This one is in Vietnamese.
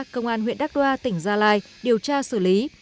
công an huyện đắk đoa tỉnh gia lai điều tra xử lý